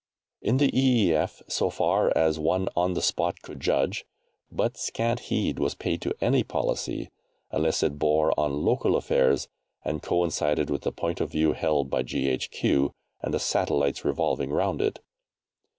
In the E.E.F., so far as one on the spot could judge, but scant heed was paid to any policy unless it bore on local affairs and coincided with the point of view held by G.H.Q. and the satellites revolving round it.